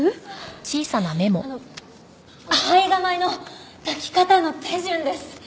あの胚芽米の炊き方の手順です。